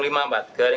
dalam tim advokasi